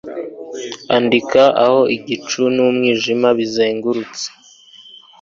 Andika aho igicu numwijima bizengurutse